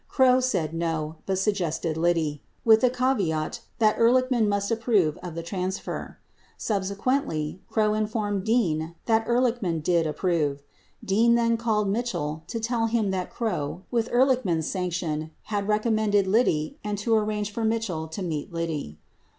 Krogh said no, but suggested Liddy 15 with the caveat that Ehrlichman must approve of the transfer; sub sequently, Krogh informed Dean that Ehrlichman did approve. Dean then called Mitchell to tell him that Krogh, with Ehrlichman's sanc tion, had recommended Liddy and to arrange for Mitchell to meet Liddy.